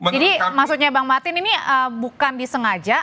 jadi maksudnya bang martin ini bukan disengaja